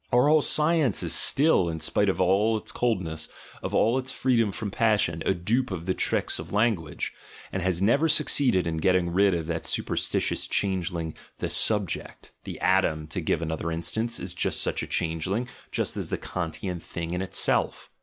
Our whole science is still, in spite of all its coldness, of all its freedom from passion, a dupe of the tricks of language, and has never succeeded in getting rid of that superstitious changeling "the subject" (the atom, to give another instance, is such a changeling, just as the Kantian "Thing in itself").